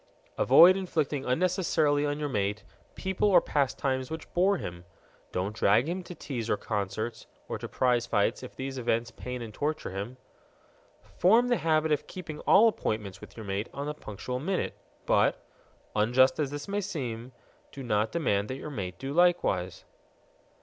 Avoid inflicting unnecessarily on your mate people or pastimes which bore him. Don't drag him to teas or to concerts or to prize fights if these events pain and torture him. Form the habit of keeping all appointments with your mate on the punctual minute. But (unjust as this may seem) do not demand that your mate do likewise.